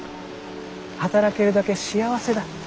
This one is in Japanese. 働けるだけ幸せだ。